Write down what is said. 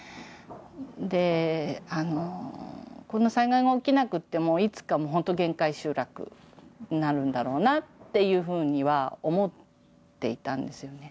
であのこの災害が起きなくてもいつかもう本当限界集落になるんだろうなっていうふうには思っていたんですよね。